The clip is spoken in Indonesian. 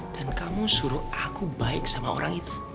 dan kamu suruh aku baik sama orang itu